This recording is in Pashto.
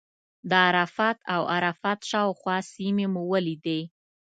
د عرفات او عرفات شاوخوا سیمې مو ولیدې.